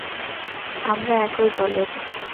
আমরা একই দলের।